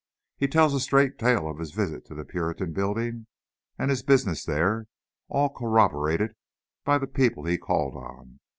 He tells a straight tale of his visit to the Puritan Building, and his business there, all corroborated by the people he called on.